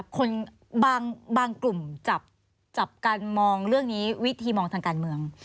บางกลุ่มจับการมองเรื่องนี้วิธีมองทางการเมือง